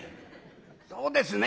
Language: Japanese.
「そうですね」。